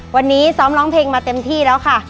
วันนี้ซ้อมร้องเพลงมาเต็มที่แล้วค่ะ